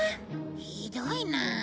ひどいな。